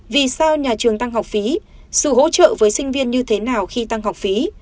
vì sao nhà trường tăng học phí sự hỗ trợ với sinh viên như thế nào khi tăng học phí